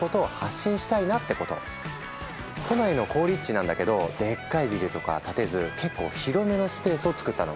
都内の好立地なんだけどでっかいビルとかは建てず結構広めのスペースをつくったの。